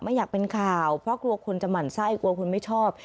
ไม่อยากเป็นข่าวเพราะกลัวคนจะหมั่นไส้กลัวคนไม่ชอบ